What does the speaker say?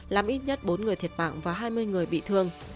làm ít nhất bốn người thiệt mạng và hai mươi người bị thương